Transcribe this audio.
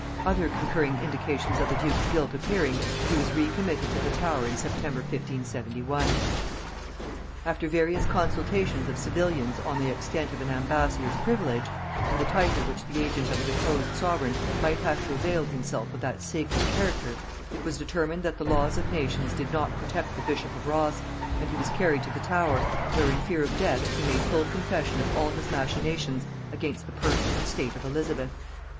Other concurring indications of the duke's guilt appearing, he was recommitted to the Tower in September 1571. After various consultations of civilians on the extent of an ambassador's privilege, and the title which the agent of a deposed sovereign might have to avail himself of that sacred character, it was determined that the laws of nations did not protect the bishop of Ross, and he was carried to the Tower, where, in fear of death, he made full confession of all his machinations against the person and state of Elizabeth.